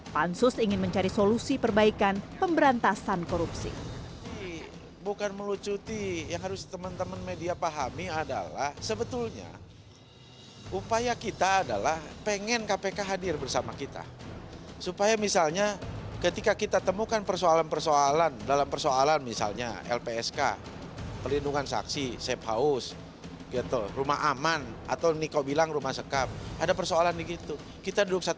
pansus ingin mencari solusi perbaikan pemberantasan korupsi